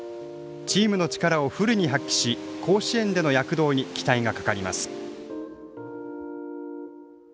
チームの力をフルに発揮し甲子園での躍動に期待がかかります。